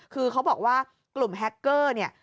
คือเขาบอกว่ากลุ่มแฮคเกอร์เนี่ย